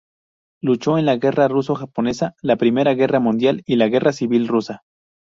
Luchó en la guerra ruso-japonesa, la Primera Guerra Mundial y la guerra civil rusa.